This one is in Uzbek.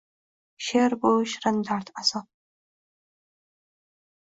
– She’r, bu – shirin dard, azob.